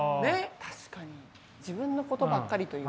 確かに自分のことばっかりというか。